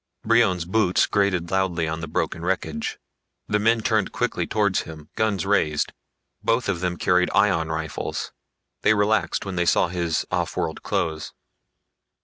Brion's boots grated loudly on the broken wreckage. The men turned quickly towards him, guns raised. Both of them carried ion rifles. They relaxed when they saw his offworld clothes.